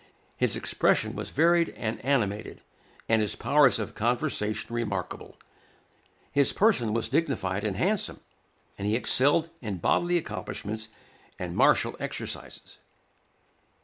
His expression was varied and animated, and his powers of conversation remarkable. His person was dignified and handsome, and he excelled in bodily accomplishments and martial exercises.